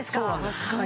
確かに。